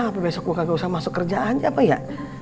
apa besok gue kagak usah masuk kerja aja apa ya